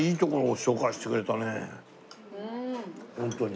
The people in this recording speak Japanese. ホントに。